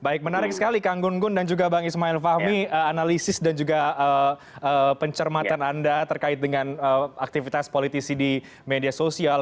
baik menarik sekali kang gunggun dan juga bang ismail fahmi analisis dan juga pencermatan anda terkait dengan aktivitas politisi di media sosial